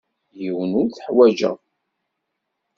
Yiwen ur t-uḥwaǧeɣ.